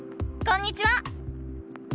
こんにちは！